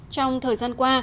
trong thời gian qua